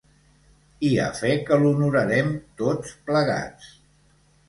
I a fe que l'honoràrem, tots plegats.